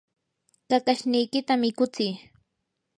kakashniykita mikutsii